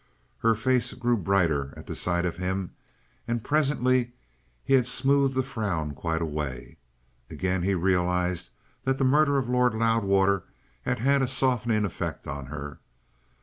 Her face grew brighter at the sight of him, and presently he had smoothed the frown quite away. Again he realized that the murder of Lord Loudwater had had a softening effect on her.